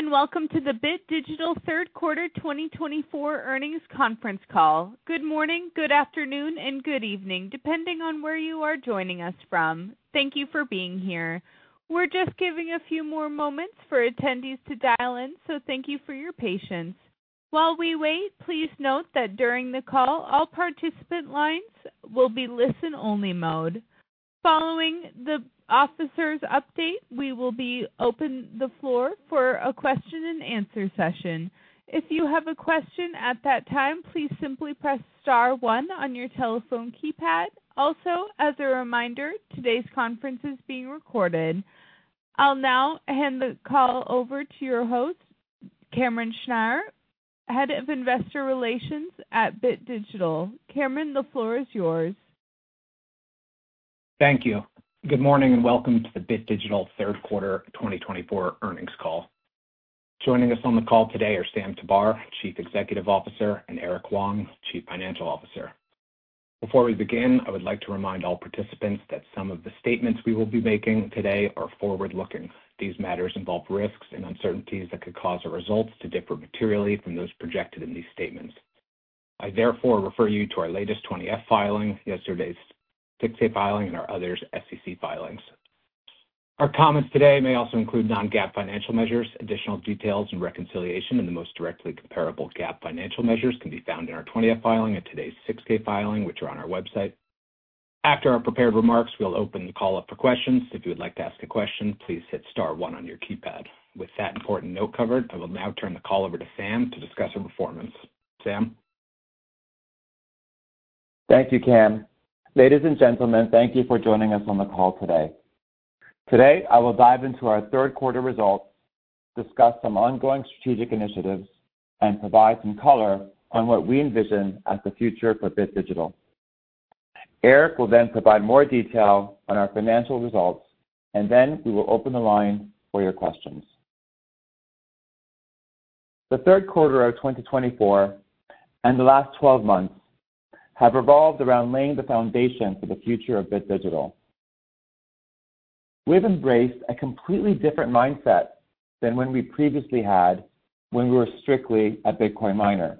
Hello, and welcome to the Bit Digital Q3 2024 Earnings Conference Call. Good morning, good afternoon, and good evening, depending on where you are joining us from. Thank you for being here. We're just giving a few more moments for attendees to dial in, so thank you for your patience. While we wait, please note that during the call, all participant lines will be listen-only mode. Following the officer's update, we will be opening the floor for a question-and-answer session. If you have a question at that time, please simply press star one on your telephone keypad. Also, as a reminder, today's conference is being recorded. I'll now hand the call over to your host, Cameron Schnier, Head of Investor Relations at Bit Digital. Cameron, the floor is yours. Thank you. Good morning and welcome to the Bit Digital Q3 2024 Earnings Call. Joining us on the call today are Sam Tabar, CEO, and Erke Huang, CFO. Before we begin, I would like to remind all participants that some of the statements we will be making today are forward-looking. These matters involve risks and uncertainties that could cause our results to differ materially from those projected in these statements. I therefore refer you to our latest 20-F filing, yesterday's 6-K filing, and our other SEC filings. Our comments today may also include non-GAAP financial measures. Additional details and reconciliation in the most directly comparable GAAP financial measures can be found in our 20-F filing and today's 6-K filing, which are on our website. After our prepared remarks, we'll open the call up for questions. If you would like to ask a question, please hit star one on your keypad. With that important note covered, I will now turn the call over to Sam to discuss our performance. Sam? Thank you, Cam. Ladies and gentlemen, thank you for joining us on the call today. Today, I will dive into our third-quarter results, discuss some ongoing strategic initiatives, and provide some color on what we envision as the future for Bit Digital. Erke will then provide more detail on our financial results, and then we will open the line for your questions. The Q3 of 2024 and the last 12 months have revolved around laying the foundation for the future of Bit Digital. We've embraced a completely different mindset than when we previously had when we were strictly a Bitcoin miner.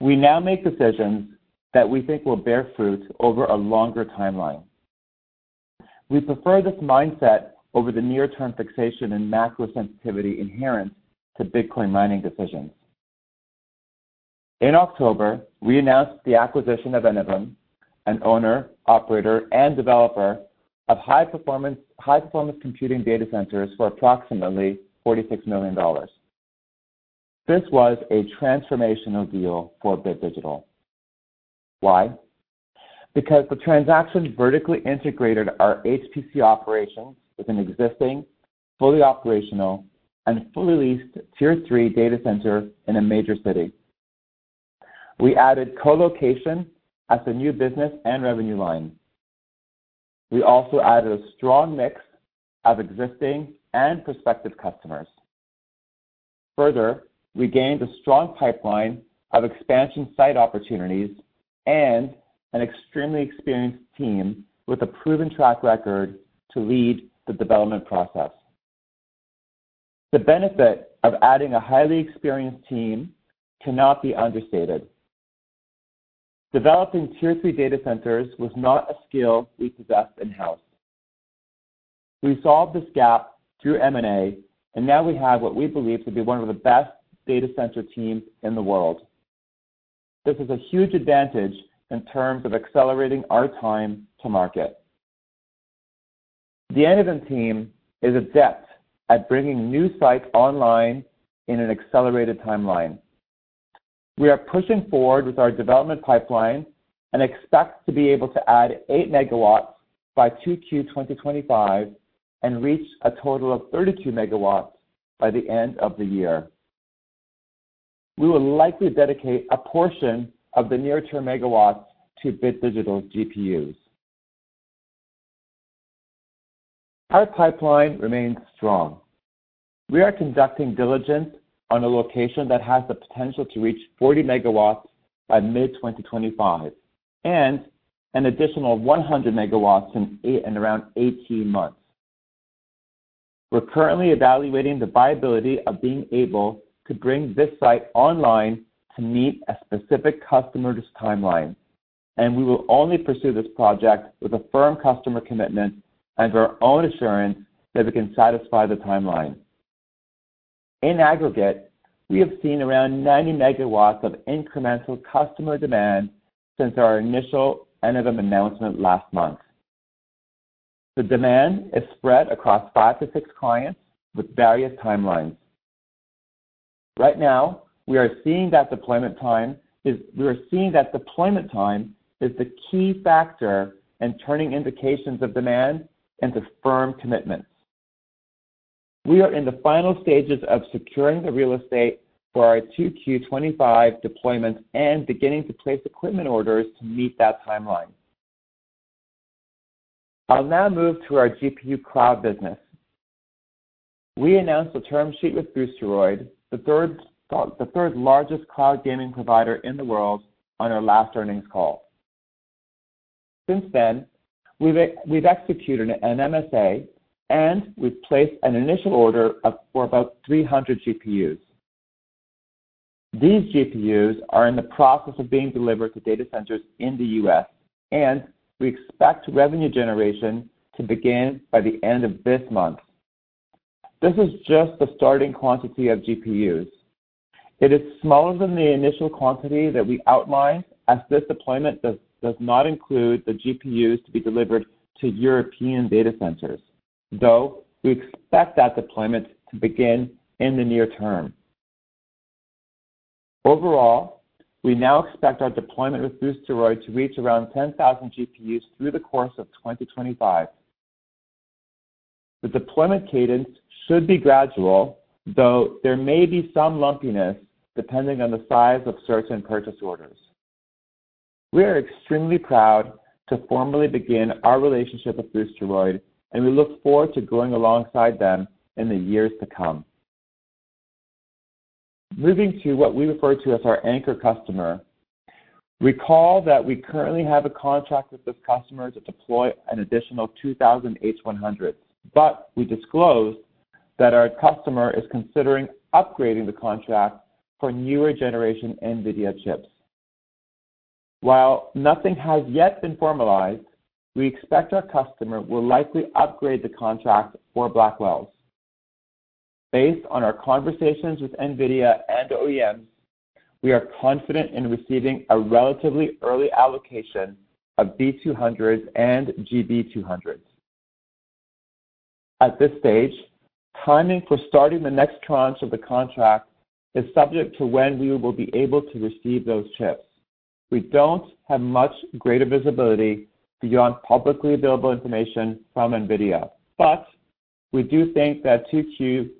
We now make decisions that we think will bear fruit over a longer timeline. We prefer this mindset over the near-term fixation and macro-sensitivity inherent to Bitcoin mining decisions. In October, we announced the acquisition of Enovum, an owner, operator, and developer of high-performance computing data centers for approximately $46 million. This was a transformational deal for Bit Digital. Why? Because the transaction vertically integrated our HPC operations with an existing, fully operational, and fully leased Tier 3 data center in a major city. We added colocation as a new business and revenue line. We also added a strong mix of existing and prospective customers. Further, we gained a strong pipeline of expansion site opportunities and an extremely experienced team with a proven track record to lead the development process. The benefit of adding a highly experienced team cannot be understated. Developing Tier 3 data centers was not a skill we possessed in-house. We solved this gap through M&A, and now we have what we believe to be one of the best data center teams in the world. This is a huge advantage in terms of accelerating our time to market. The Enovum team is adept at bringing new sites online in an accelerated timeline. We are pushing forward with our development pipeline and expect to be able to add 8 MW by 2Q 2025 and reach a total of 32 MW by the end of the year. We will likely dedicate a portion of the near-term MW to Bit Digital's GPUs. Our pipeline remains strong. We are conducting diligence on a location that has the potential to reach 40 MW by mid-2025 and an additional 100 MW in around 18 months. We're currently evaluating the viability of being able to bring this site online to meet a specific customer's timeline, and we will only pursue this project with a firm customer commitment and our own assurance that we can satisfy the timeline. In aggregate, we have seen around 90 MW of incremental customer demand since our initial Enovum announcement last month. The demand is spread across five to six clients with various timelines. Right now, we are seeing that deployment time is the key factor in turning indications of demand into firm commitments. We are in the final stages of securing the real estate for our 2Q 2025 deployment and beginning to place equipment orders to meet that timeline. I'll now move to our GPU Cloud business. We announced the term sheet with Boosteroid, the third largest cloud gaming provider in the world, on our last earnings call. Since then, we've executed an MSA, and we've placed an initial order for about 300 GPUs. These GPUs are in the process of being delivered to data centers in the U.S., and we expect revenue generation to begin by the end of this month. This is just the starting quantity of GPUs. It is smaller than the initial quantity that we outlined as this deployment does not include the GPUs to be delivered to European data centers, though we expect that deployment to begin in the near term. Overall, we now expect our deployment with Boosteroid to reach around 10,000 GPUs through the course of 2025. The deployment cadence should be gradual, though there may be some lumpiness depending on the size of certain purchase orders. We are extremely proud to formally begin our relationship with Boosteroid, and we look forward to growing alongside them in the years to come. Moving to what we refer to as our anchor customer, recall that we currently have a contract with this customer to deploy an additional 2,000 H100s, but we disclosed that our customer is considering upgrading the contract for newer generation NVIDIA chips. While nothing has yet been formalized, we expect our customer will likely upgrade the contract for Blackwells. Based on our conversations with NVIDIA and OEMs, we are confident in receiving a relatively early allocation of B200s and GB200s. At this stage, timing for starting the next tranche of the contract is subject to when we will be able to receive those chips. We don't have much greater visibility beyond publicly available information from NVIDIA, but we do think that 2Q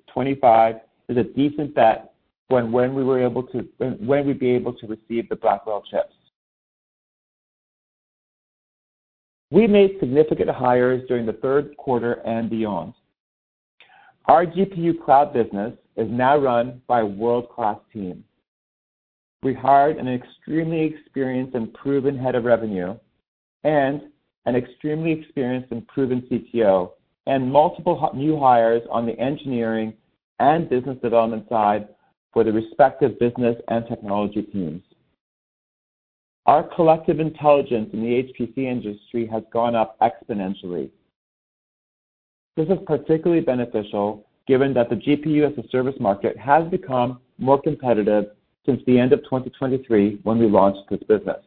2025 is a decent bet when we'd be able to receive the Blackwell chips. We made significant hires during the Q3 and beyond. Our GPU Cloud business is now run by a world-class team. We hired an extremely experienced and proven head of revenue and an extremely experienced and proven CTO and multiple new hires on the engineering and business development side for the respective business and technology teams. Our collective intelligence in the HPC industry has gone up exponentially. This is particularly beneficial given that the GPU as a service market has become more competitive since the end of 2023 when we launched this business.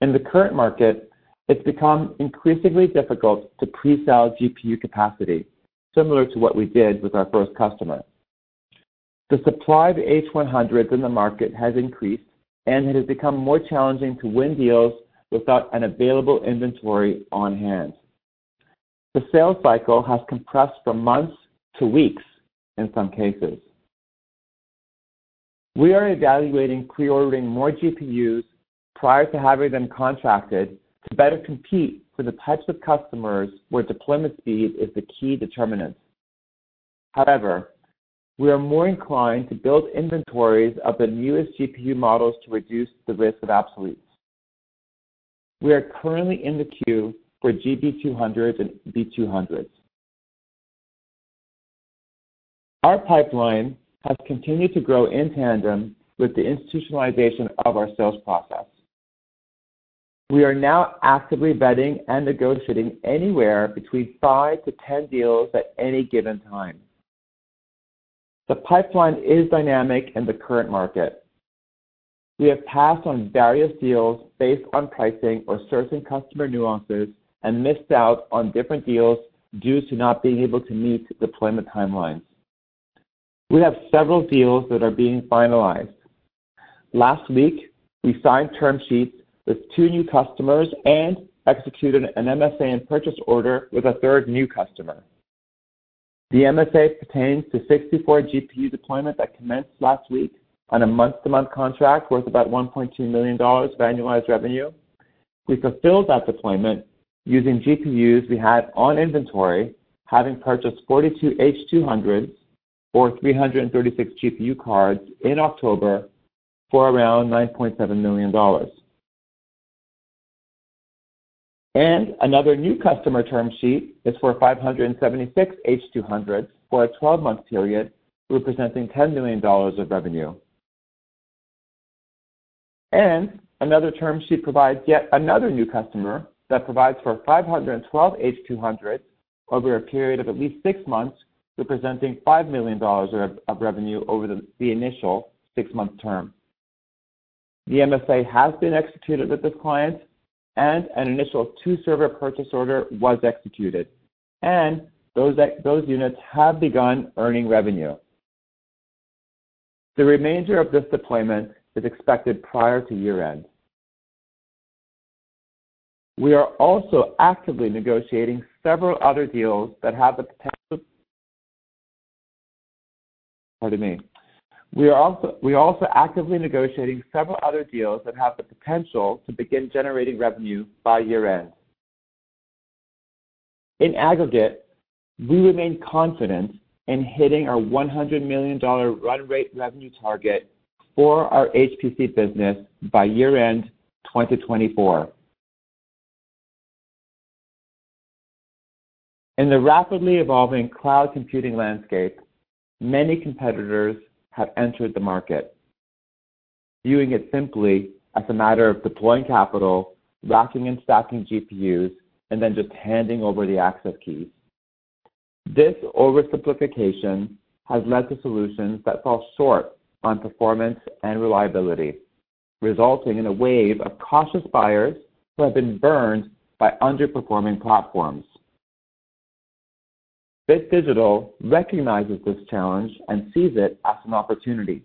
In the current market, it's become increasingly difficult to pre-sell GPU capacity, similar to what we did with our first customer. The supply of H100s in the market has increased, and it has become more challenging to win deals without an available inventory on hand. The sales cycle has compressed from months to weeks in some cases. We are evaluating pre-ordering more GPUs prior to having them contracted to better compete for the types of customers where deployment speed is the key determinant. However, we are more inclined to build inventories of the newest GPU models to reduce the risk of obsoletes. We are currently in the queue for GB200s and B200s. Our pipeline has continued to grow in tandem with the institutionalization of our sales process. We are now actively betting and negotiating anywhere between five to 10 deals at any given time. The pipeline is dynamic in the current market. We have passed on various deals based on pricing or certain customer nuances and missed out on different deals due to not being able to meet deployment timelines. We have several deals that are being finalized. Last week, we signed term sheets with two new customers and executed an MSA and purchase order with a third new customer. The MSA pertains to 64 GPU deployments that commenced last week on a month-to-month contract worth about $1.2 million of annualized revenue. We fulfilled that deployment using GPUs we had on inventory, having purchased 42 H200s or 336 GPU cards in October for around $9.7 million, and another new customer term sheet is for 576 H200s for a 12-month period, representing $10 million of revenue, and another term sheet provides yet another new customer that provides for 512 H200s over a period of at least six months, representing $5 million of revenue over the initial six-month term. The MSA has been executed with this client, and an initial two-server purchase order was executed, and those units have begun earning revenue. The remainder of this deployment is expected prior to year-end. We are also actively negotiating several other deals that have the potential. Pardon me. We are also actively negotiating several other deals that have the potential to begin generating revenue by year-end. In aggregate, we remain confident in hitting our $100 million run-rate revenue target for our HPC business by year-end 2024. In the rapidly evolving cloud computing landscape, many competitors have entered the market, viewing it simply as a matter of deploying capital, racking and stacking GPUs, and then just handing over the access keys. This oversimplification has led to solutions that fall short on performance and reliability, resulting in a wave of cautious buyers who have been burned by underperforming platforms. Bit Digital recognizes this challenge and sees it as an opportunity.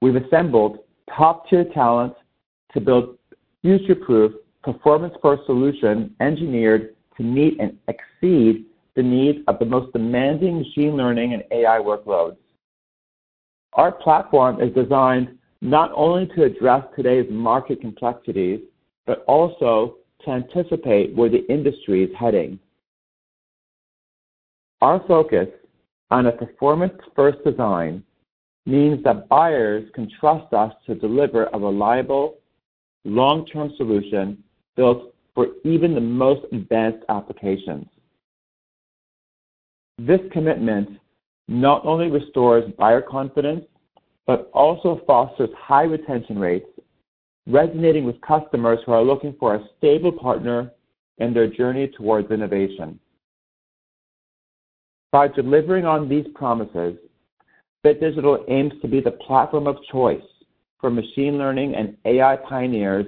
We've assembled top-tier talent to build future-proof, performance-first solutions engineered to meet and exceed the needs of the most demanding machine learning and AI workloads. Our platform is designed not only to address today's market complexities but also to anticipate where the industry is heading. Our focus on a performance-first design means that buyers can trust us to deliver a reliable, long-term solution built for even the most advanced applications. This commitment not only restores buyer confidence but also fosters high retention rates, resonating with customers who are looking for a stable partner in their journey towards innovation. By delivering on these promises, Bit Digital aims to be the platform of choice for machine learning and AI pioneers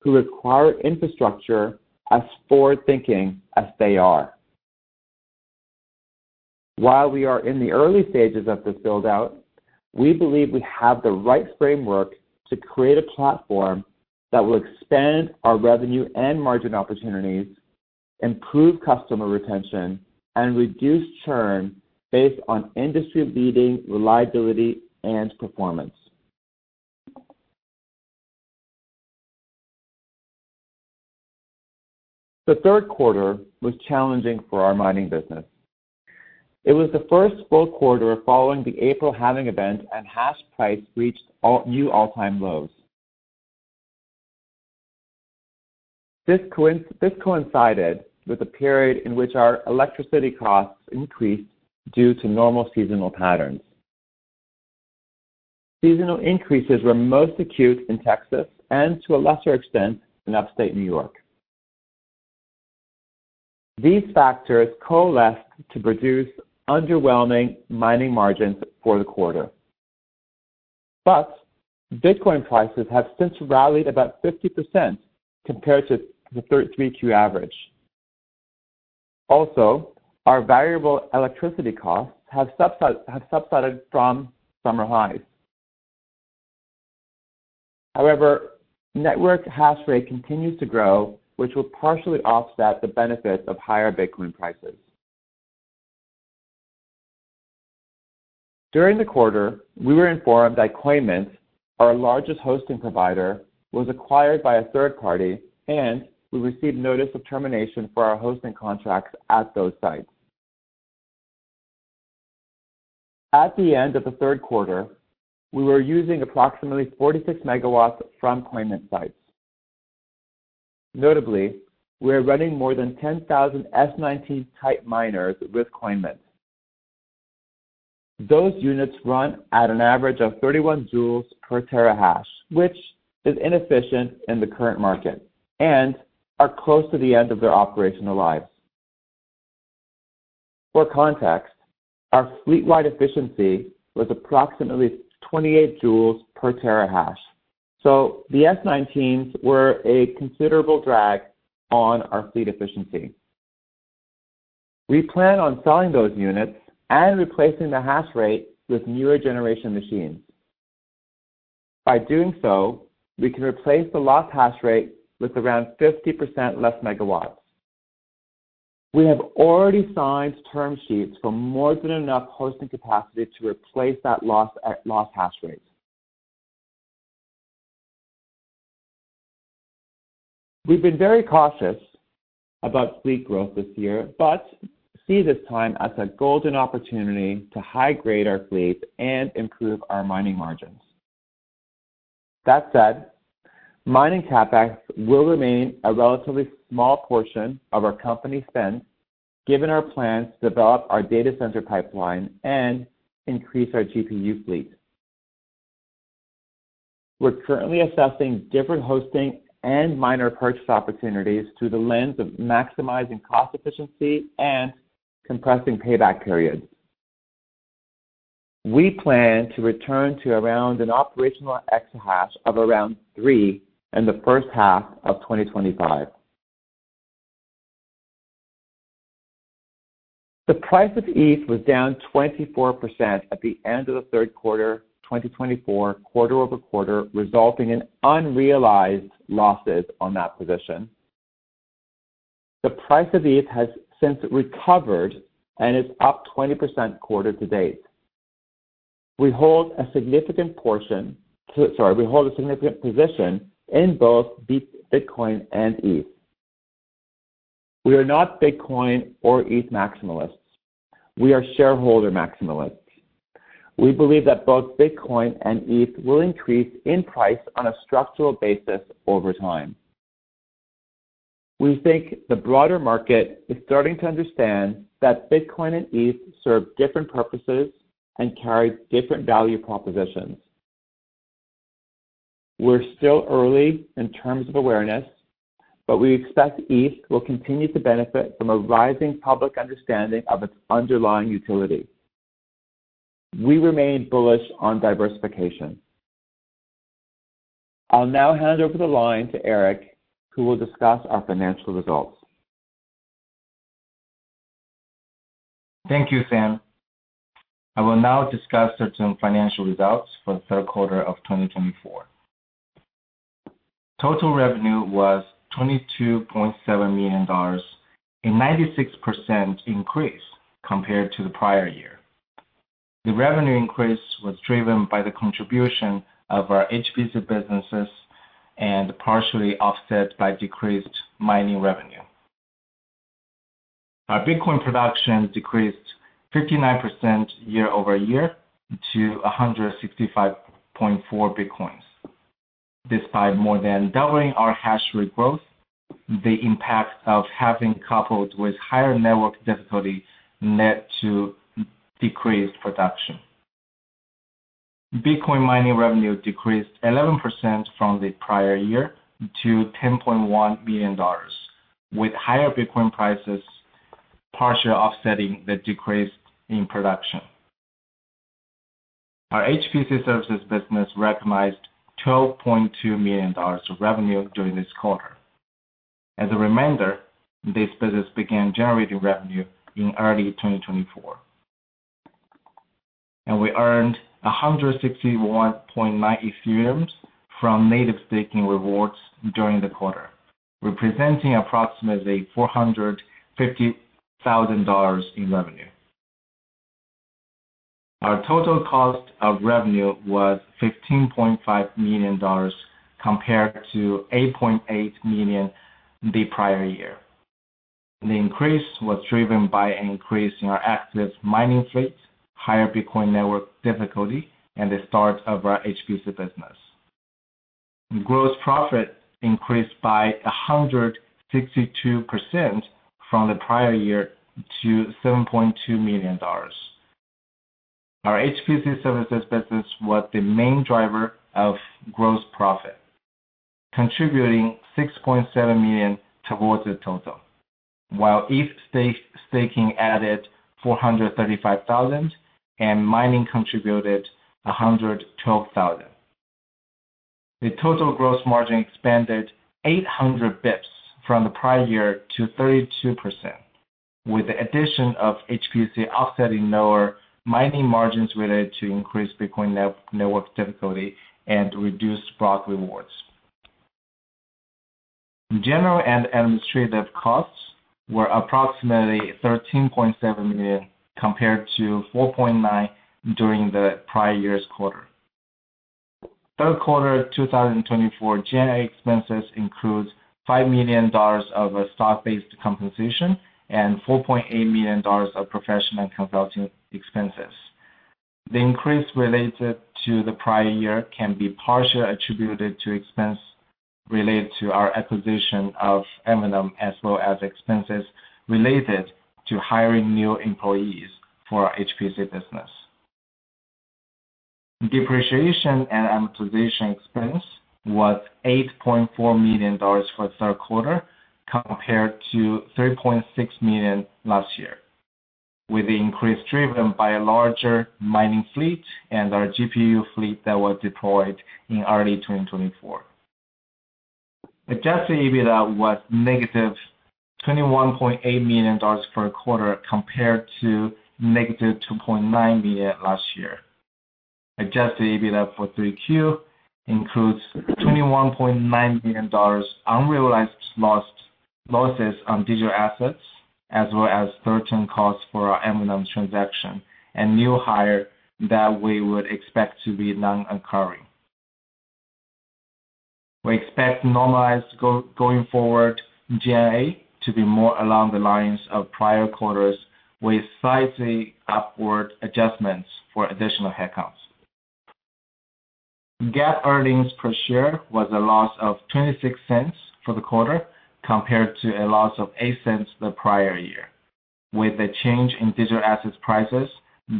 who require infrastructure as forward-thinking as they are. While we are in the early stages of this build-out, we believe we have the right framework to create a platform that will expand our revenue and margin opportunities, improve customer retention, and reduce churn based on industry-leading reliability and performance. The Q3 was challenging for our mining business. It was the first full quarter following the April halving event, and hash price reached new all-time lows. This coincided with a period in which our electricity costs increased due to normal seasonal patterns. Seasonal increases were most acute in Texas and, to a lesser extent, in Upstate New York. These factors coalesced to produce underwhelming mining margins for the quarter. But Bitcoin prices have since rallied about 50% compared to the 3Q average. Also, our variable electricity costs have subsided from summer highs. However, network hash rate continues to grow, which will partially offset the benefits of higher Bitcoin prices. During the quarter, we were informed that Coinmint, our largest hosting provider, was acquired by a third party, and we received notice of termination for our hosting contracts at those sites. At the end of the Q3, we were using approximately 46 MW from Coinmint sites. Notably, we are running more than 10,000 S19 type miners with Coinmint. Those units run at an average of 31 joules per terahash, which is inefficient in the current market and are close to the end of their operational lives. For context, our fleet-wide efficiency was approximately 28 joules per terahash, so the S19s were a considerable drag on our fleet efficiency. We plan on selling those units and replacing the hash rate with newer generation machines. By doing so, we can replace the lost hash rate with around 50% less megawatts. We have already signed term sheets for more than enough hosting capacity to replace that lost hash rate. We've been very cautious about fleet growth this year but see this time as a golden opportunity to high-grade our fleet and improve our mining margins. That said, mining CapEx will remain a relatively small portion of our company spend given our plans to develop our data center pipeline and increase our GPU fleet. We're currently assessing different hosting and miner purchase opportunities through the lens of maximizing cost efficiency and compressing payback periods. We plan to return to around an operational exahash of around three in the first half of 2025. The price of ETH was down 24% at the end of the Q3 2024, quarter-over-quarter, resulting in unrealized losses on that position. The price of ETH has since recovered and is up 20% quarter-to-date. We hold a significant portion. Sorry, we hold a significant position in both Bitcoin and ETH. We are not Bitcoin or ETH maximalists. We are shareholder maximalists. We believe that both Bitcoin and ETH will increase in price on a structural basis over time. We think the broader market is starting to understand that Bitcoin and ETH serve different purposes and carry different value propositions. We're still early in terms of awareness, but we expect ETH will continue to benefit from a rising public understanding of its underlying utility. We remain bullish on diversification. I'll now hand over the line to Erke, who will discuss our financial results. Thank you, Sam. I will now discuss our financial results for the Q3 of 2024. Total revenue was $22.7 million, a 96% increase compared to the prior year. The revenue increase was driven by the contribution of our HPC businesses and partially offset by decreased mining revenue. Our Bitcoin production decreased 59% year-over-year to 165.4 Bitcoins. Despite more than doubling our hash rate growth, the impact of having coupled with higher network difficulty led to decreased production. Bitcoin mining revenue decreased 11% from the prior year to $10.1 million, with higher Bitcoin prices partially offsetting the decrease in production. Our HPC Services business recognized $12.2 million of revenue during this quarter. As a reminder, this business began generating revenue in early 2024, and we earned 161.9 Ethereums from native staking rewards during the quarter, representing approximately $450,000 in revenue. Our total cost of revenue was $15.5 million compared to $8.8 million the prior year. The increase was driven by an increase in our active mining fleet, higher Bitcoin network difficulty, and the start of our HPC business. Gross profit increased by 162% from the prior year to $7.2 million. Our HPC Services business was the main driver of gross profit, contributing $6.7 million towards the total, while ETH staking added $435,000 and mining contributed $112,000. The total gross margin expanded 800 basis points from the prior year to 32%, with the addition of HPC offsetting lower mining margins related to increased Bitcoin network difficulty and reduced block rewards. General and administrative costs were approximately $13.7 million compared to $4.9 million during the prior year's quarter. Q3 2024 G&A expenses include $5 million of stock-based compensation and $4.8 million of professional and consulting expenses. The increase related to the prior year can be partially attributed to expenses related to our acquisition of Enovum as well as expenses related to hiring new employees for our HPC business. Depreciation and amortization expense was $8.4 million for the Q3 compared to $3.6 million last year, with the increase driven by a larger mining fleet and our GPU fleet that was deployed in early 2024. Adjusted EBITDA was negative $21.8 million for the quarter compared to negative $2.9 million last year. Adjusted EBITDA for 3Q includes $21.9 million unrealized losses on digital assets as well as certain costs for our Enovum transaction and new hire that we would expect to be non-recurring. We expect normalized going forward G&A to be more along the lines of prior quarters with slightly upward adjustments for additional headcounts. GAAP earnings per share was a loss of $0.26 for the quarter compared to a loss of $0.08 the prior year, with the change in digital asset prices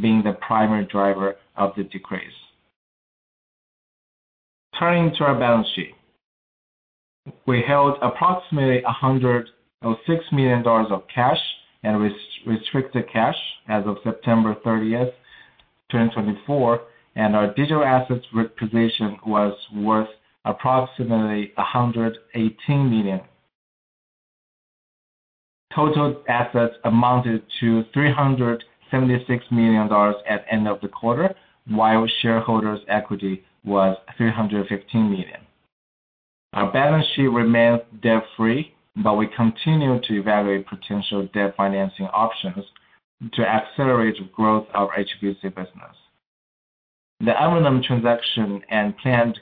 being the primary driver of the decrease. Turning to our balance sheet, we held approximately $106 million of cash and restricted cash as of September 30th, 2024, and our digital assets position was worth approximately $118 million. Total assets amounted to $376 million at the end of the quarter, while shareholders' equity was $315 million. Our balance sheet remains debt-free, but we continue to evaluate potential debt financing options to accelerate the growth of our HPC business. The Enovum transaction and planned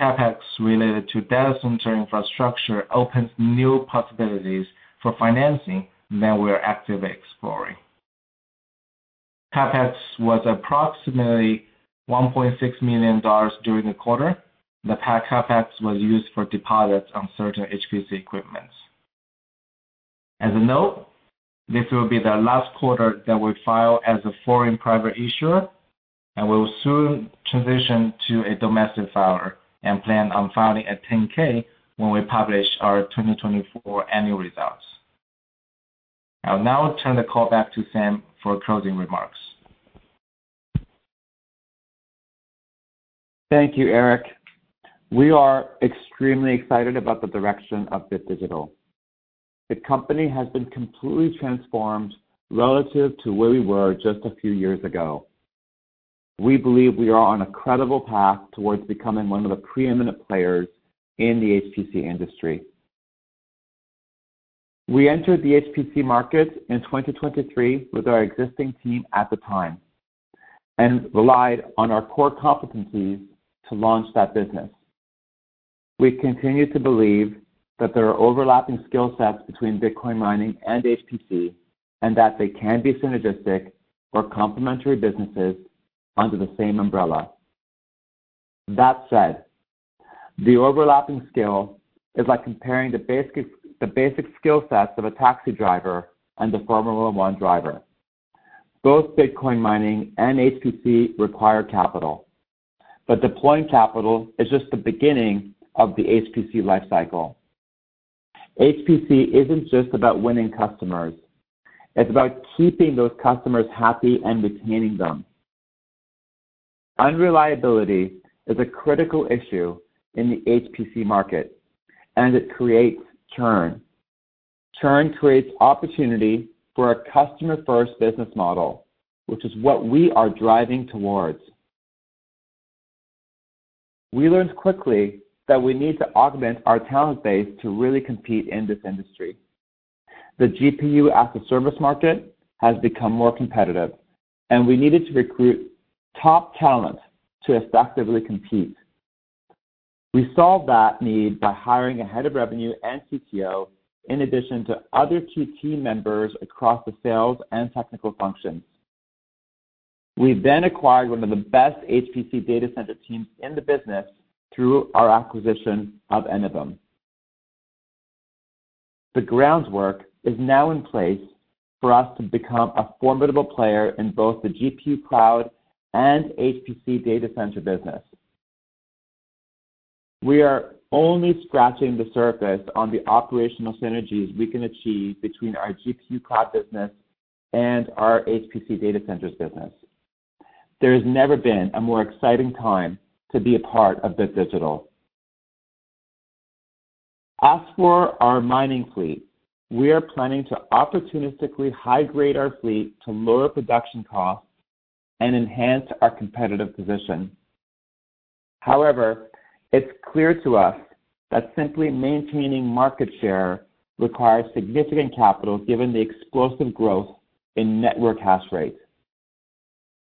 CapEx related to data center infrastructure opens new possibilities for financing that we are actively exploring. CapEx was approximately $1.6 million during the quarter. The CapEx was used for deposits on certain HPC equipment. As a note, this will be the last quarter that we file as a foreign private issuer, and we will soon transition to a domestic filer and plan on filing a 10-K when we publish our 2024 annual results. I'll now turn the call back to Sam for closing remarks. Thank you, Erke. We are extremely excited about the direction of Bit Digital. The company has been completely transformed relative to where we were just a few years ago. We believe we are on a credible path towards becoming one of the preeminent players in the HPC industry. We entered the HPC market in 2023 with our existing team at the time and relied on our core competencies to launch that business. We continue to believe that there are overlapping skill sets between Bitcoin mining and HPC and that they can be synergistic or complementary businesses under the same umbrella. That said, the overlapping skill is like comparing the basic skill sets of a taxi driver and a Formula 1 driver. Both Bitcoin mining and HPC require capital, but deploying capital is just the beginning of the HPC life cycle. HPC isn't just about winning customers. It's about keeping those customers happy and retaining them. Unreliability is a critical issue in the HPC market, and it creates churn. Churn creates opportunity for a customer-first business model, which is what we are driving towards. We learned quickly that we need to augment our talent base to really compete in this industry. The GPU as a service market has become more competitive, and we needed to recruit top talent to effectively compete. We solved that need by hiring a head of revenue and CTO in addition to other key team members across the sales and technical functions. We then acquired one of the best HPC data center teams in the business through our acquisition of Enovum. The groundwork is now in place for us to become a formidable player in both the GPU cloud and HPC Data Center business. We are only scratching the surface on the operational synergies we can achieve between our GPU Cloud business and our HPC Data Centers business. There has never been a more exciting time to be a part of Bit Digital. As for our mining fleet, we are planning to opportunistically high-grade our fleet to lower production costs and enhance our competitive position. However, it's clear to us that simply maintaining market share requires significant capital given the explosive growth in network hash rate.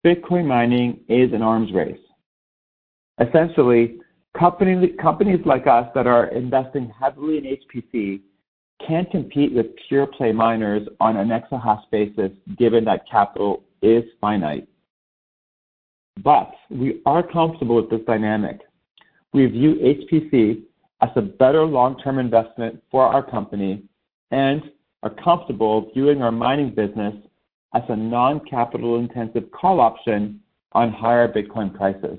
Bitcoin mining is an arms race. Essentially, companies like us that are investing heavily in HPC can't compete with pure-play miners on an exahash basis given that capital is finite. But we are comfortable with this dynamic. We view HPC as a better long-term investment for our company and are comfortable viewing our mining business as a non-capital-intensive call option on higher Bitcoin prices.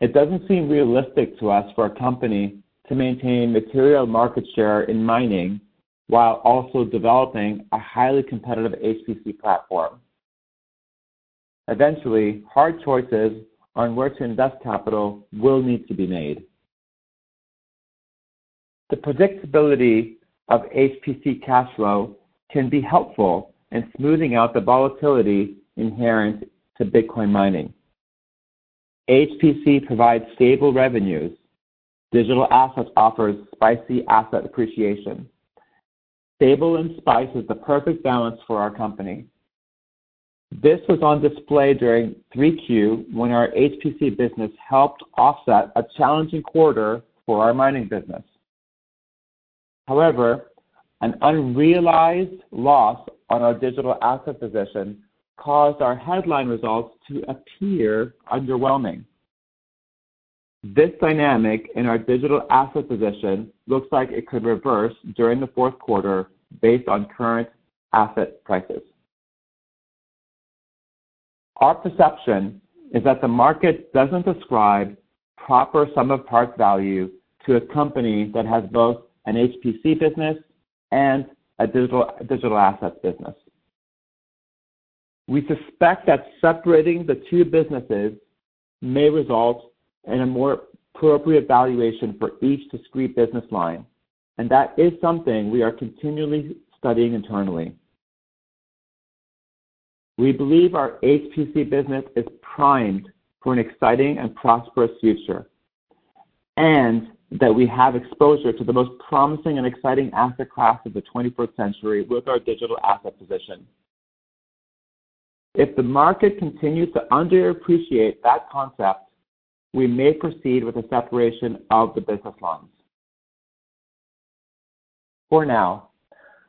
It doesn't seem realistic to us for a company to maintain material market share in mining while also developing a highly competitive HPC platform. Eventually, hard choices on where to invest capital will need to be made. The predictability of HPC cash flow can be helpful in smoothing out the volatility inherent to Bitcoin mining. HPC provides stable revenues. Digital assets offer spicy asset appreciation. Stable and spice is the perfect balance for our company. This was on display during 3Q when our HPC business helped offset a challenging quarter for our Mining business. However, an unrealized loss on our digital asset position caused our headline results to appear underwhelming. This dynamic in our digital asset position looks like it could reverse during the Q4 based on current asset prices. Our perception is that the market doesn't ascribe proper sum of parts value to a company that has both an HPC business and a digital assets business. We suspect that separating the two businesses may result in a more appropriate valuation for each discrete business line, and that is something we are continually studying internally. We believe our HPC business is primed for an exciting and prosperous future and that we have exposure to the most promising and exciting asset class of the 21st century with our digital asset position. If the market continues to underappreciate that concept, we may proceed with a separation of the business lines. For now,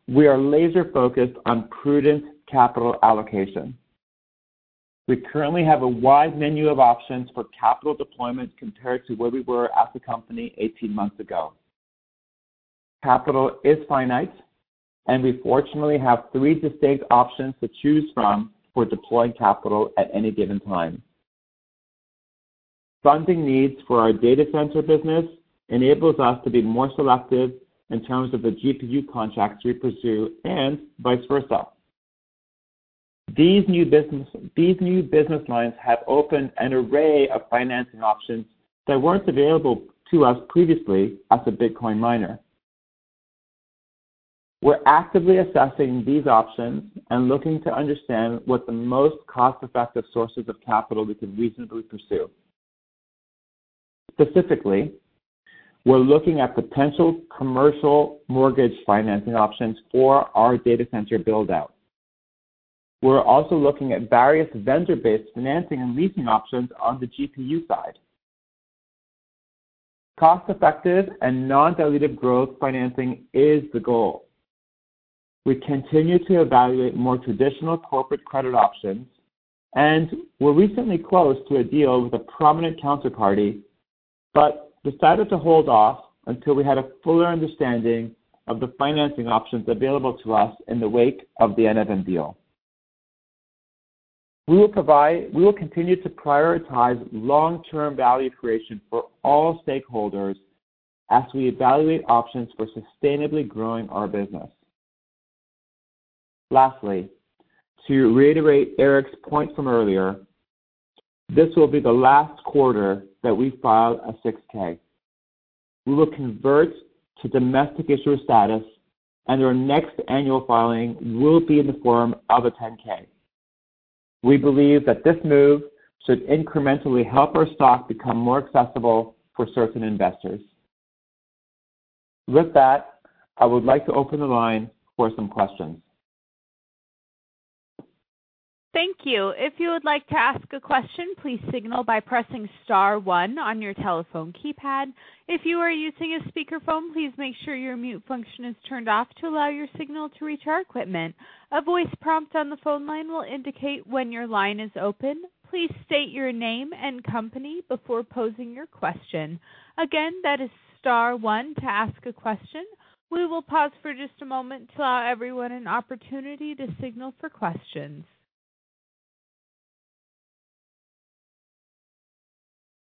we are laser-focused on prudent capital allocation. We currently have a wide menu of options for capital deployment compared to where we were as a company 18 months ago. Capital is finite, and we fortunately have three distinct options to choose from for deploying capital at any given time. Funding needs for our data center business enables us to be more selective in terms of the GPU contracts we pursue and vice versa. These new business lines have opened an array of financing options that weren't available to us previously as a Bitcoin miner. We're actively assessing these options and looking to understand what the most cost-effective sources of capital we can reasonably pursue. Specifically, we're looking at potential commercial mortgage financing options for our data center build-out. We're also looking at various vendor-based financing and leasing options on the GPU side. Cost-effective and non-dilutive growth financing is the goal. We continue to evaluate more traditional corporate credit options, and we're recently close to a deal with a prominent counterparty but decided to hold off until we had a fuller understanding of the financing options available to us in the wake of the Enovum deal. We will continue to prioritize long-term value creation for all stakeholders as we evaluate options for sustainably growing our business. Lastly, to reiterate Erke's point from earlier, this will be the last quarter that we file a 6-K. We will convert to domestic issuer status, and our next annual filing will be in the form of a 10-K. We believe that this move should incrementally help our stock become more accessible for certain investors. With that, I would like to open the line for some questions. Thank you. If you would like to ask a question, please signal by pressing star one on your telephone keypad. If you are using a speakerphone, please make sure your mute function is turned off to allow your signal to reach our equipment. A voice prompt on the phone line will indicate when your line is open. Please state your name and company before posing your question. Again, that is star one to ask a question. We will pause for just a moment to allow everyone an opportunity to signal for questions.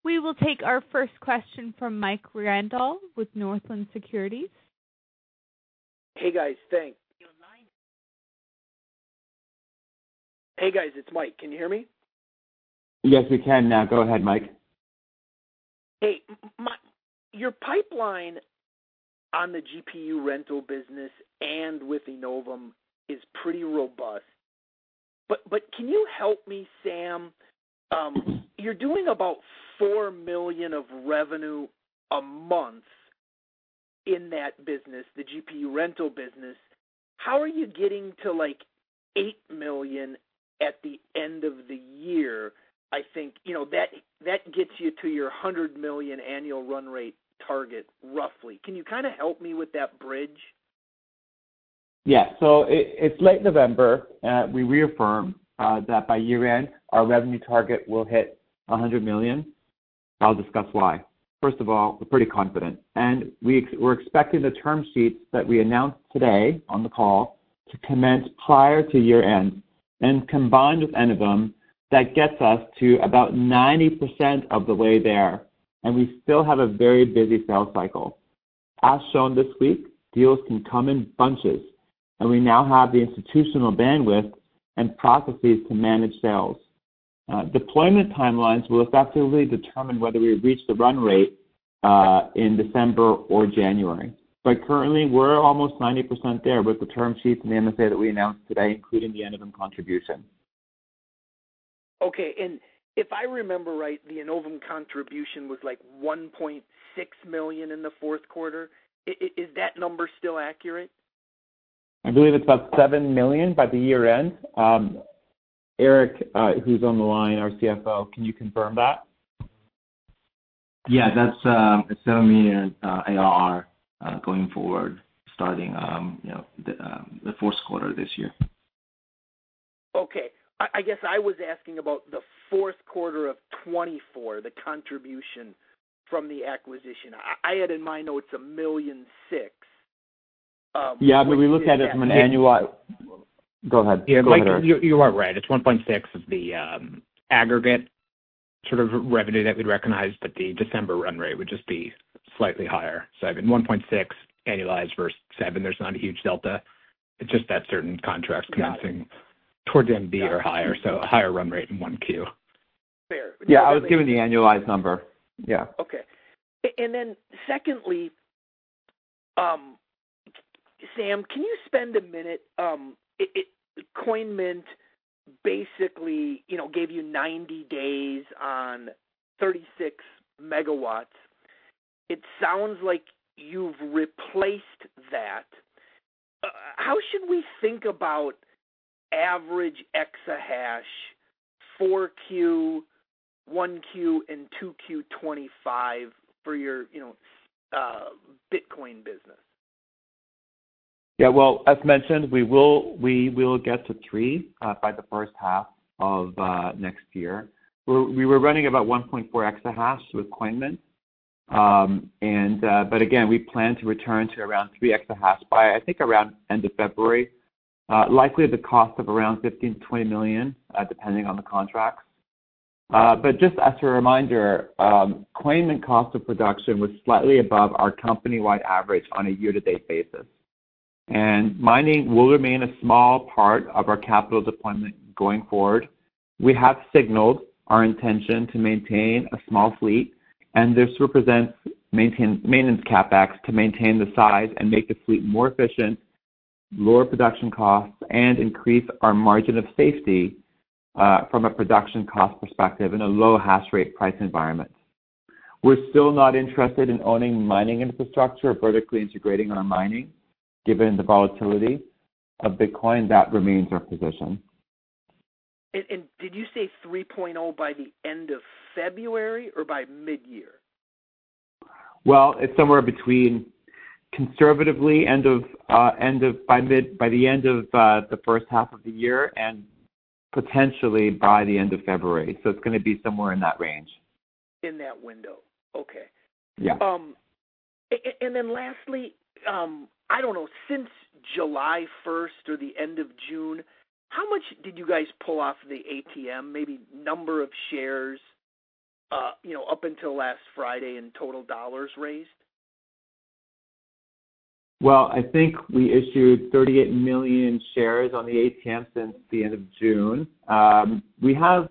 We will take our first question from Mike Grondahl with Northland Securities. Hey, guys. Thanks. Hey, guys. It's Mike. Can you hear me? Yes, we can. Now, go ahead, Mike. Hey, your pipeline on the GPU Rental business and with Enovum is pretty robust. But can you help me, Sam? You're doing about $4 million of revenue a month in that business, the GPU Rental business. How are you getting to $8 million at the end of the year? I think that gets you to your $100 million annual run rate target, roughly. Can you kind of help me with that bridge? Yeah, so it's late November, and we reaffirm that by year-end, our revenue target will hit $100 million. I'll discuss why. First of all, we're pretty confident, and we're expecting the term sheets that we announced today on the call to commence prior to year-end, and combined with Enovum, that gets us to about 90% of the way there, and we still have a very busy sales cycle. As shown this week, deals can come in bunches, and we now have the institutional bandwidth and processes to manage sales. Deployment timelines will effectively determine whether we reach the run rate in December or January, but currently, we're almost 90% there with the term sheets and the MSA that we announced today, including the Enovum contribution. Okay. And if I remember right, the Enovum contribution was like $1.6 million in the Q4. Is that number still accurate? I believe it's about $7 million by the year end. Erke, who's on the line, our CFO, can you confirm that? Yeah. That's $7 million ARR going forward starting the Q4 of this year. Okay. I guess I was asking about the Q4 of 2024, the contribution from the acquisition. I had in my notes $1.6 million. Yeah, but we looked at it from an annualized. Go ahead. Yeah, go ahead. You are right. It's $1.6 million of the aggregate sort of revenue that we'd recognize, but the December run rate would just be slightly higher. So I mean, $1.6 million annualized versus $7 million, there's not a huge delta. It's just that certain contracts commencing towards the end of the year higher, so a higher run rate in 1Q. Fair. Yeah. I was giving the annualized number. Yeah. Okay. And then secondly, Sam, can you spend a minute? Coinmint basically gave you 90 days on 36 MW. It sounds like you've replaced that. How should we think about average exahash 4Q, 1Q, and 2Q25 for your Bitcoin business? Yeah. Well, as mentioned, we will get to three exahash by the first half of next year. We were running about 1.4 exahash with Coinmint. But again, we plan to return to around 3 exahash by, I think, around the end of February, likely at the cost of around $15 million-$20 million, depending on the contracts. But just as a reminder, Coinmint cost of production was slightly above our company-wide average on a year-to-date basis, and mining will remain a small part of our capital deployment going forward. We have signaled our intention to maintain a small fleet, and this represents maintenance CapEx to maintain the size and make the fleet more efficient, lower production costs, and increase our margin of safety from a production cost perspective in a low hash rate price environment. We're still not interested in owning mining infrastructure or vertically integrating our mining given the volatility of Bitcoin. That remains our position. Did you say 3.0 by the end of February or by mid-year? It's somewhere between conservatively by the end of the first half of the year and potentially by the end of February. It's going to be somewhere in that range. In that window. Okay. Yeah. And then lastly, I don't know, since July 1st or the end of June, how much did you guys pull off the ATM, maybe number of shares up until last Friday in total dollars raised? I think we issued 38 million shares on the ATM since the end of June. We have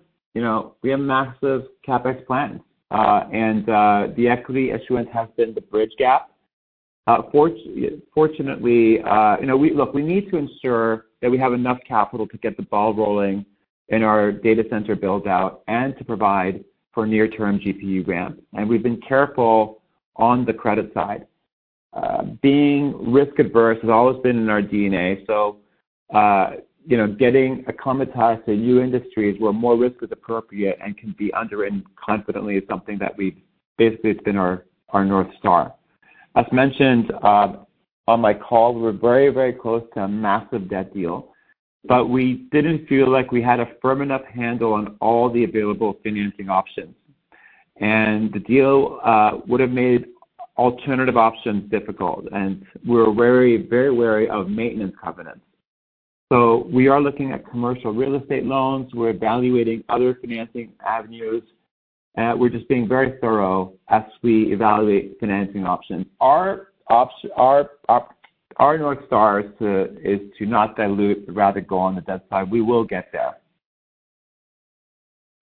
massive CapEx plans, and the equity issuance has been the bridge gap. Fortunately, look, we need to ensure that we have enough capital to get the ball rolling in our data center build-out and to provide for near-term GPU ramp. We've been careful on the credit side. Being risk-averse has always been in our DNA. Getting acclimatized to new industries where more risk is appropriate and can be underwritten confidently is something that we've basically been our North Star. As mentioned on my call, we were very, very close to a massive debt deal, but we didn't feel like we had a firm enough handle on all the available financing options. The deal would have made alternative options difficult, and we're very wary of maintenance covenants. So we are looking at commercial real estate loans. We're evaluating other financing avenues. We're just being very thorough as we evaluate financing options. Our North Star is to not dilute, rather go on the debt side. We will get there.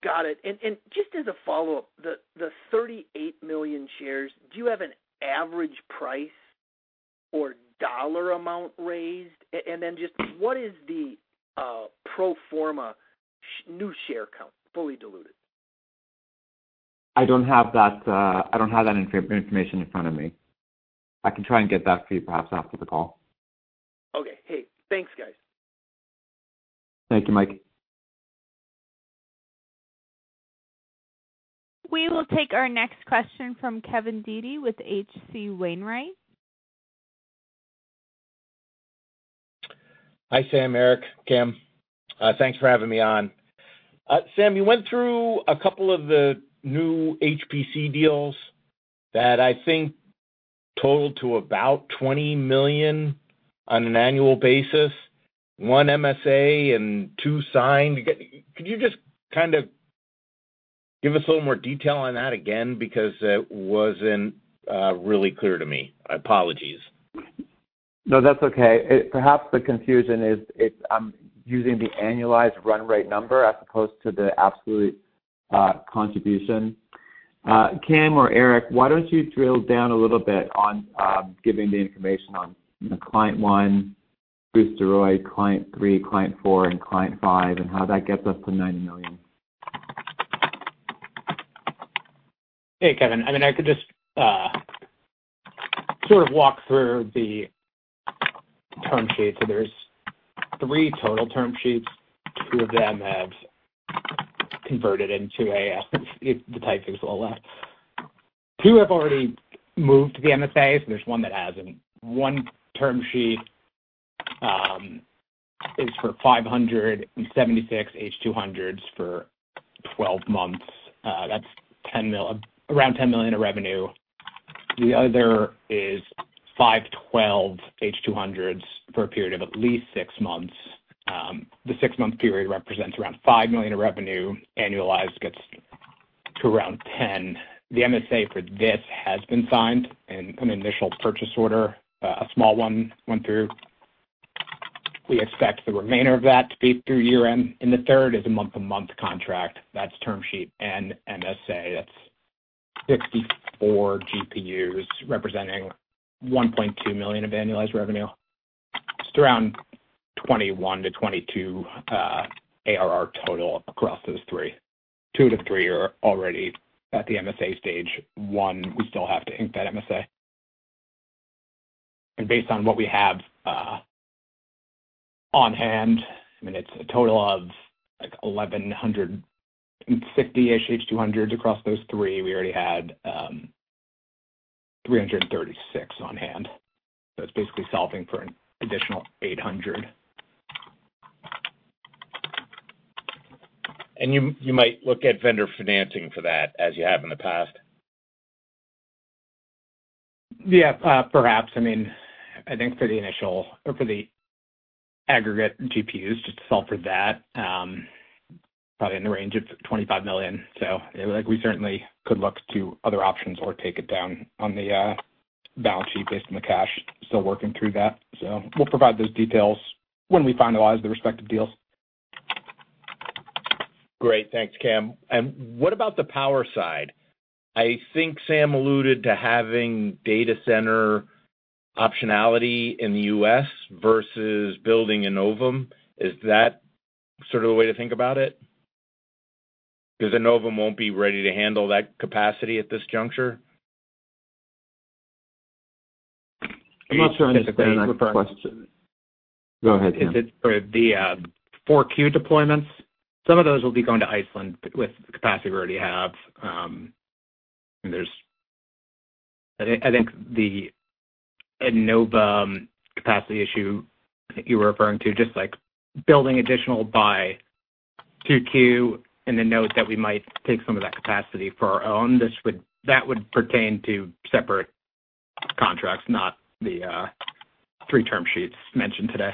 Got it. Just as a follow-up, the 38 million shares, do you have an average price or dollar amount raised? Then just what is the pro forma new share count, fully diluted? I don't have that. I don't have that information in front of me. I can try and get that for you perhaps after the call. Okay. Hey, thanks, guys. Thank you, Mike. We will take our next question from Kevin Dede with HCWainwright. Hi, Sam. Erke, Cam. Thanks for having me on. Sam, you went through a couple of the new HPC deals that I think totaled to about $20 million on an annual basis, one MSA and two signed. Could you just kind of give us a little more detail on that again? Because it wasn't really clear to me. Apologies. No, that's okay. Perhaps the confusion is I'm using the annualized run rate number as opposed to the absolute contribution. Cam or Erke, why don't you drill down a little bit on giving the information on client one, Boosteroid, client three, client four, and client five, and how that gets us to $90 million? Hey, Kevin. I mean, I could just sort of walk through the term sheets, so there's three total term sheets. Two of them have converted. Two have already moved to the MSA, so there's one that hasn't. One term sheet is for 576 H200s for 12 months. That's around $10 million in revenue. The other is 512 H200s for a period of at least six months. The six-month period represents around $5 million in revenue. Annualized gets to around $10 million. The MSA for this has been signed, and an initial purchase order. A small one went through. We expect the remainder of that to be through year-end, and the third is a month-to-month contract. That's term sheet and MSA. That's 64 GPUs representing $1.2 million of annualized revenue. It's around $21 million-$22 million ARR total across those three. Two of the three are already at the MSA stage. One we still have to ink that MSA, and based on what we have on hand, I mean, it's a total of like 1,160-ish H200s across those three. We already had 336 on hand, so it's basically solving for an additional 800. You might look at vendor financing for that as you have in the past? Yeah, perhaps. I mean, I think for the initial or for the aggregate GPUs, just to solve for that, probably in the range of $25 million. So we certainly could look to other options or take it down on the balance sheet based on the cash. Still working through that. So we'll provide those details when we finalize the respective deals. Great. Thanks, Cam. And what about the power side? I think Sam alluded to having data center optionality in the U.S. versus building Enovum. Is that sort of the way to think about it? Because Enovum won't be ready to handle that capacity at this juncture. I'm not sure I understand that question. Go ahead, Sam. It's sort of the 4Q deployments. Some of those will be going to Iceland with the capacity we already have. I think the Enovum capacity issue you were referring to, just like building additional by 2Q and then you know that we might take some of that capacity for our own. That would pertain to separate contracts, not the three term sheets mentioned today.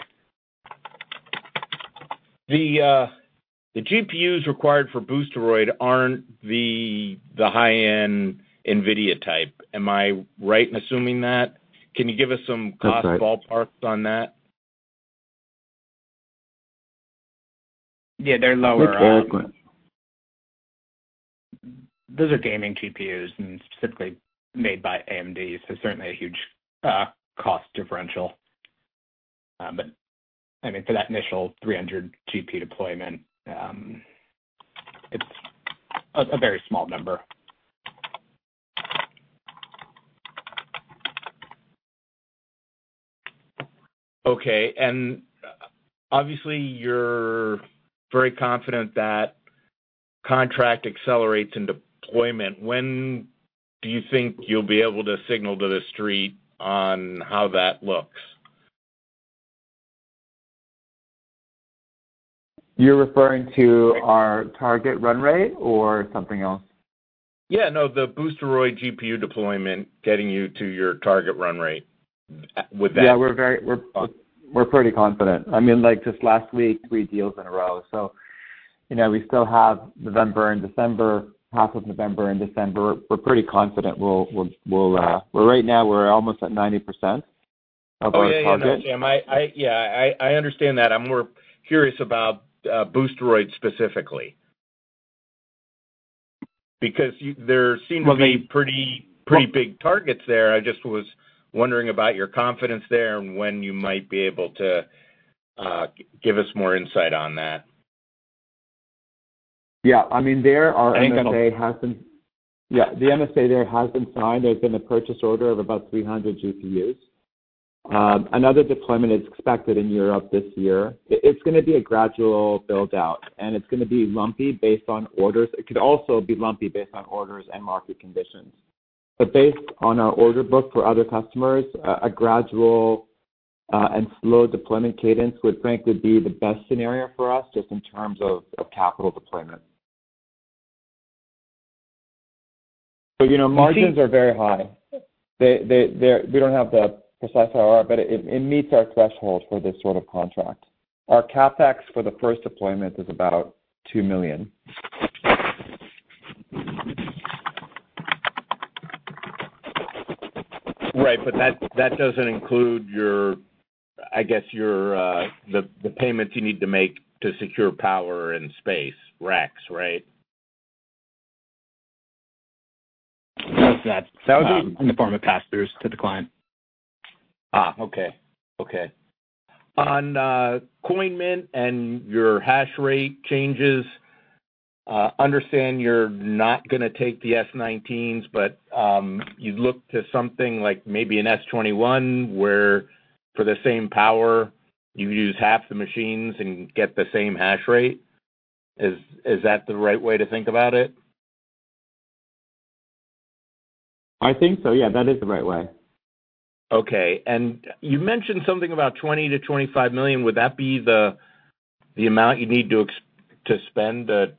The GPUs required for Boosteroid aren't the high-end NVIDIA type. Am I right in assuming that? Can you give us some cost ballparks on that? Yeah. They're lower. Those are gaming GPUs and specifically made by AMD, so certainly a huge cost differential. But I mean, for that initial 300 GPU deployment, it's a very small number. Okay, and obviously, you're very confident that contract accelerates in deployment. When do you think you'll be able to signal to the street on how that looks? You're referring to our target run rate or something else? Yeah. No, the Boosteroid GPU deployment getting you to your target run rate with that. Yeah. We're pretty confident. I mean, just last week, three deals in a row. So we still have November and December, half of November and December. We're pretty confident. Right now, we're almost at 90% of our target. Yeah. I understand that. I'm more curious about Boosteroid specifically because there seem to be pretty big targets there. I just was wondering about your confidence there and when you might be able to give us more insight on that. Yeah. I mean, their MSA has been signed. Yeah. The MSA there has been signed. There's been a purchase order of about 300 GPUs. Another deployment is expected in Europe this year. It's going to be a gradual build-out, and it's going to be lumpy based on orders. It could also be lumpy based on orders and market conditions. But based on our order book for other customers, a gradual and slow deployment cadence would frankly be the best scenario for us just in terms of capital deployment. So margins are very high. We don't have the precise IRR, but it meets our threshold for this sort of contract. Our CapEx for the first deployment is about $2 million. Right. But that doesn't include, I guess, the payments you need to make to secure power and space, racks, right? That would be in the form of pass-throughs to the client. Okay. On Coinmint and your hash rate changes, understand you're not going to take the S19s, but you'd look to something like maybe an S21 where for the same power, you use half the machines and get the same hash rate. Is that the right way to think about it? I think so. Yeah, that is the right way. Okay. And you mentioned something about $20 million-$25 million. Would that be the amount you need to spend to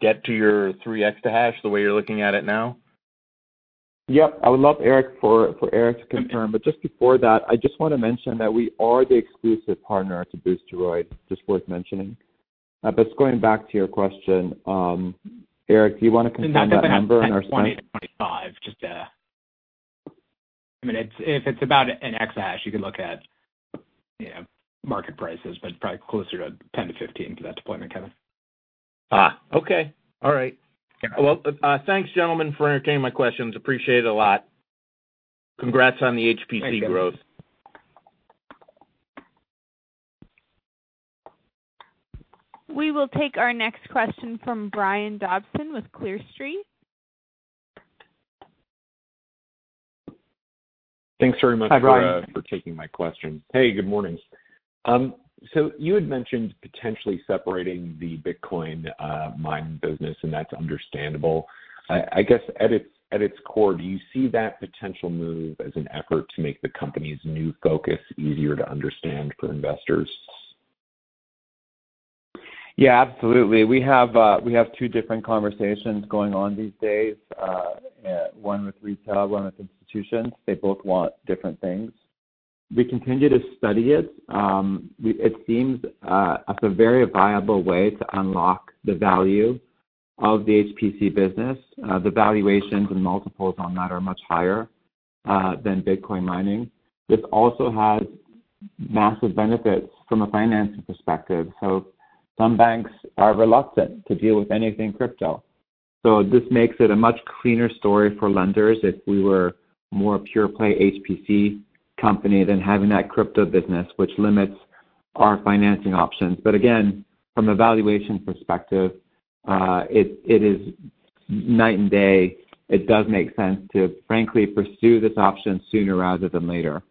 get to your 3 exahash the way you're looking at it now? Yep. I would love for Erke to confirm. But just before that, I just want to mention that we are the exclusive partner to Boosteroid, just worth mentioning. But going back to your question, Erke, do you want to confirm that number and our spend? 20-25. I mean, if it's about an exahash, you could look at market prices, but probably closer to 10-15 for that deployment, Kevin. Okay. All right. Well, thanks, gentlemen, for entertaining my questions. Appreciate it a lot. Congrats on the HPC growth. We will take our next question from Brian Dobson with Clear Street. Thanks very much..... Hi Brian, ...for taking my questions. Hey, good morning. So you had mentioned potentially separating the Bitcoin mining business, and that's understandable. I guess at its core, do you see that potential move as an effort to make the company's new focus easier to understand for investors? Yeah, absolutely. We have two different conversations going on these days, one with retail, one with institutions. They both want different things. We continue to study it. It seems a very viable way to unlock the value of the HPC business. The valuations and multiples on that are much higher than Bitcoin mining. This also has massive benefits from a financing perspective. So some banks are reluctant to deal with anything crypto. So this makes it a much cleaner story for lenders if we were a more pure-play HPC company than having that crypto business, which limits our financing options. But again, from a valuation perspective, it is night and day. It does make sense to, frankly, pursue this option sooner rather than later.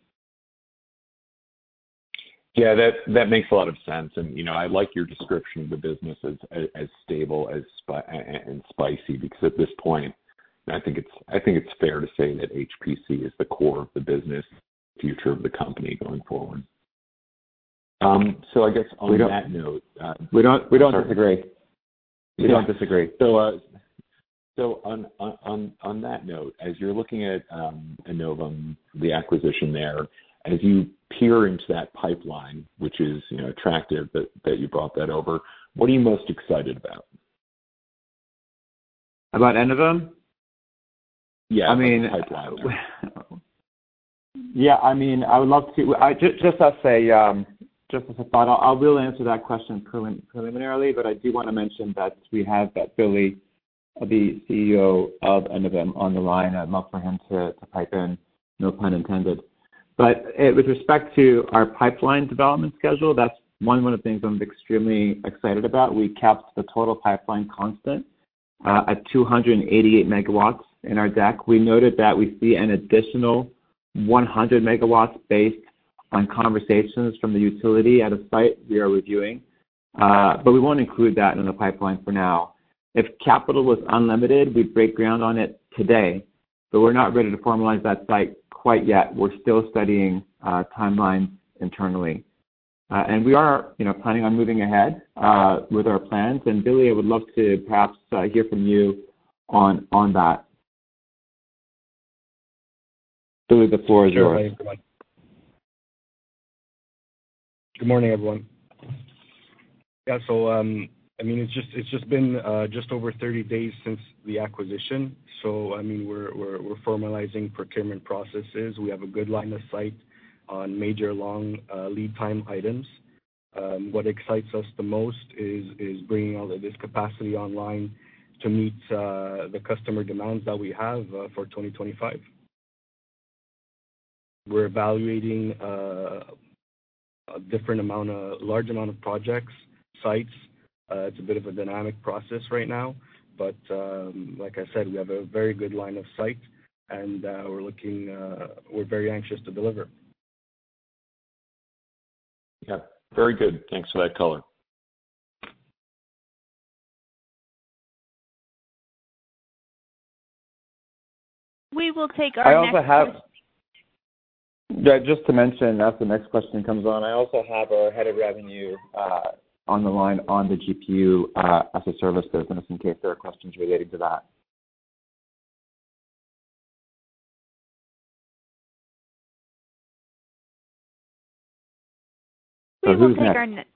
Yeah, that makes a lot of sense. And I like your description of the business as stable and spicy because at this point, I think it's fair to say that HPC is the core of the business, the future of the company going forward. So I guess on that note. We don't disagree. We don't disagree. So on that note, as you're looking at Enovum, the acquisition there, as you peer into that pipeline, which is attractive that you brought that over, what are you most excited about? About Enovum? Yeah, the pipeline. Yeah. I mean, I would love to—just to say, just to say, I will answer that question preliminarily, but I do want to mention that we have that Billy, the CEO of Enovum, on the line. I'd love for him to pipe in, no pun intended. But with respect to our pipeline development schedule, that's one of the things I'm extremely excited about. We kept the total pipeline constant at 288 MW in our deck. We noted that we see an additional 100 MW based on conversations from the utility at a site we are reviewing, but we won't include that in the pipeline for now. If capital was unlimited, we'd break ground on it today, but we're not ready to formalize that site quite yet. We're still studying timelines internally, and we are planning on moving ahead with our plans. Billy, I would love to perhaps hear from you on that. Billy, the floor is yours. Good morning, everyone. Yeah. So I mean, it's just been just over 30 days since the acquisition. So I mean, we're formalizing procurement processes. We have a good line of sight on major long lead time items. What excites us the most is bringing all of this capacity online to meet the customer demands that we have for 2025. We're evaluating a large amount of projects, sites. It's a bit of a dynamic process right now. But like I said, we have a very good line of sight, and we're very anxious to deliver. Yep. Very good. Thanks for that color. We will take our next question. Yeah. Just to mention, as the next question comes on, I also have our head of revenue on the line on the GPU as a service business in case there are questions related to that. Who's next?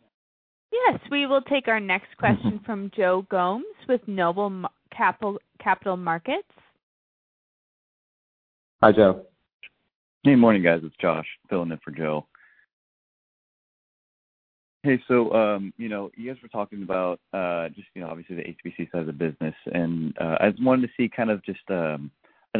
Yes. We will take our next question from Joe Gomes with Noble Capital Markets. Hi, Joe. Hey, morning, guys. It's Josh filling in for Joe. Hey. So you guys were talking about just obviously the HPC side of the business. And I just wanted to see kind of just an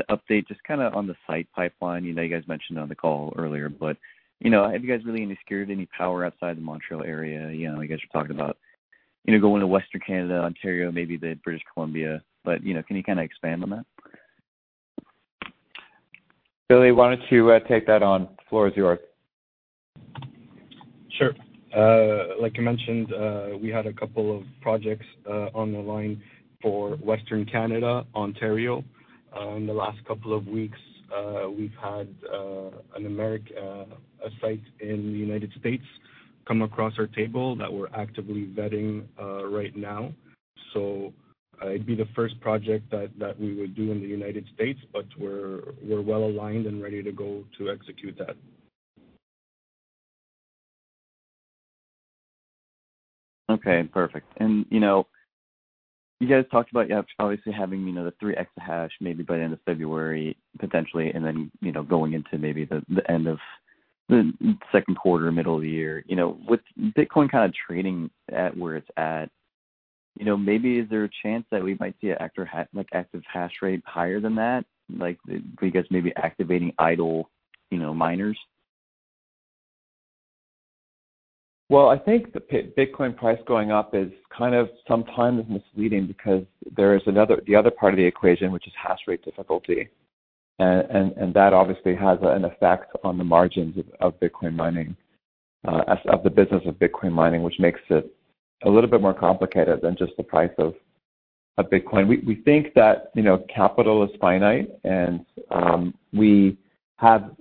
update just kind of on the site pipeline. You guys mentioned on the call earlier, but have you guys really secured any power outside the Montreal area? You guys were talking about going to Western Canada, Ontario, maybe the British Columbia. But can you kind of expand on that? Billy, why don't you take that on? The floor is yours. Sure. Like I mentioned, we had a couple of projects on the line for Western Canada, Ontario. In the last couple of weeks, we've had a site in the United States come across our table that we're actively vetting right now. So it'd be the first project that we would do in the United States, but we're well aligned and ready to go to execute that. Okay. Perfect. And you guys talked about, obviously, having the 3 exahash maybe by the end of February potentially, and then going into maybe the end of the Q2, middle of the year. With Bitcoin kind of trading at where it's at, maybe is there a chance that we might see an active hash rate higher than that? Are you guys maybe activating idle miners? Well, I think the Bitcoin price going up is kind of sometimes misleading because there is the other part of the equation, which is hash rate difficulty. And that obviously has an effect on the margins of Bitcoin mining, of the business of Bitcoin mining, which makes it a little bit more complicated than just the price of Bitcoin. We think that capital is finite, and we have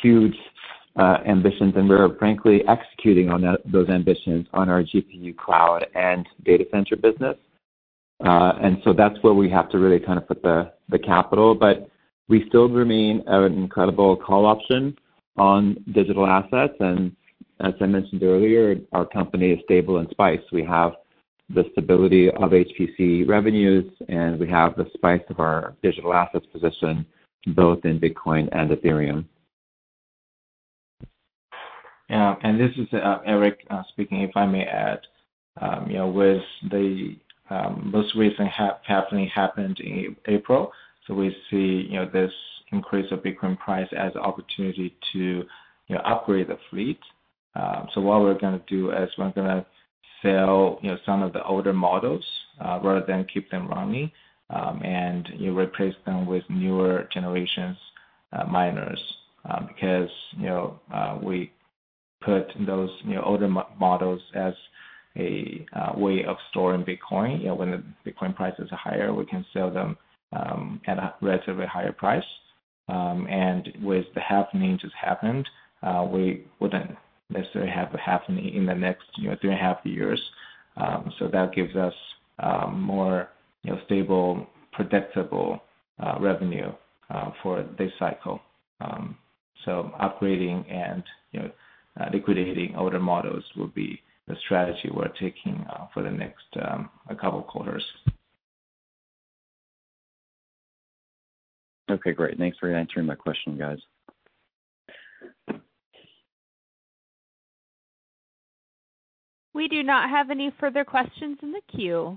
huge ambitions, and we're frankly executing on those ambitions on our GPU Cloud and Data Center business. And so that's where we have to really kind of put the capital. But we still remain an incredible call option on digital assets. And as I mentioned earlier, our company is stable and spice. We have the stability of HPC revenues, and we have the spice of our digital assets position both in Bitcoin and Ethereum. Yeah. And this is Erke speaking, if I may add. With the most recent halving that happened in April, so we see this increase of Bitcoin price as an opportunity to upgrade the fleet. So what we're going to do is we're going to sell some of the older models rather than keep them running and replace them with newer generation miners because we put those older models as a way of storing Bitcoin. When the Bitcoin prices are higher, we can sell them at a relatively higher price. And with the halving that just happened, we wouldn't necessarily have a halving in the next three and a half years. So that gives us more stable, predictable revenue for this cycle. So upgrading and liquidating older models will be the strategy we're taking for the next couple of quarters. Okay. Great. Thanks for answering my question, guys. We do not have any further questions in the queue.